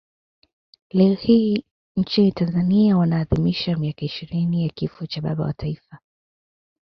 Leo hii nchini Tanzania wanaadhimisha miaka ishirini ya kifo cha baba wa taifa